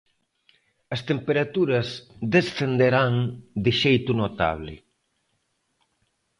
As temperaturas descenderán de xeito notable.